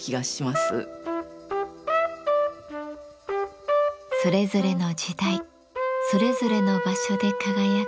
それぞれの時代それぞれの場所で輝く絵皿です。